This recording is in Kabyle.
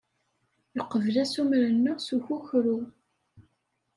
Yeqbel assumer-nneɣ s ukukru.